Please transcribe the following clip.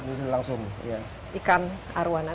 dan bisa memegang menyentuh ikan arowana